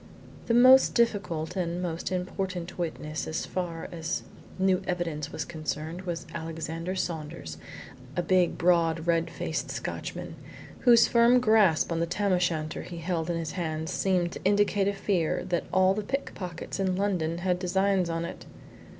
The most difficult, and most important witness, as far as new evidence was concerned was Alexander Saunders, a big, broad red faced Scotchman, whose firm grasp on the tam o' shanter he held in his hand seemed to indicate a fear that all the pickpockets in London had designs on it.